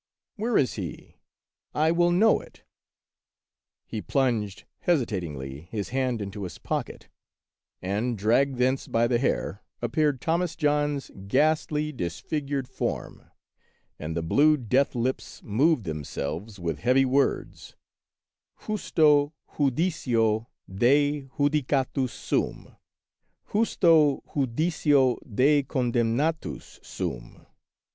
" Where is he ? I will know it !" He plunged hesitatingly his hand into his pocket, and, dragged thence by the hair, appeared Thomas John's ghastly, disfigured form, and the blue death lips moved themselves with heavy words, — Justo judicio Dei judicatus sum; justo judicio Dei condemnatus sum!'